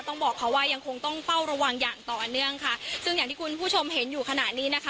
บอกเขาว่ายังคงต้องเฝ้าระวังอย่างต่อเนื่องค่ะซึ่งอย่างที่คุณผู้ชมเห็นอยู่ขณะนี้นะคะ